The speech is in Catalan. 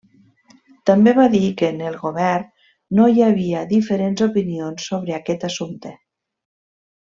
També va dir que en el Govern no hi havia diferents opinions sobre aquest assumpte.